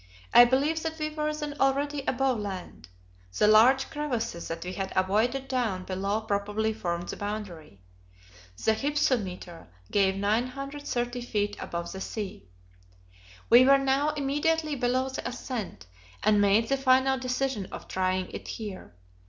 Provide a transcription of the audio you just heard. I believe that we were then already above land; the large crevasses that we had avoided down below probably formed the boundary. The hypsometer gave 930 feet above the sea. We were now immediately below the ascent, and made the final decision of trying it here.